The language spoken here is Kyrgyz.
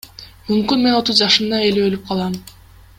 Мүмкүн мен отуз жашымда эле өлүп калам?